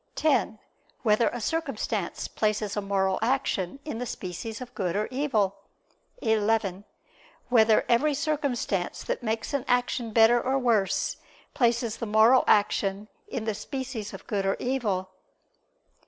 (10) Whether a circumstance places a moral action in the species of good or evil? (11) Whether every circumstance that makes an action better or worse, places the moral action in the species of good or evil?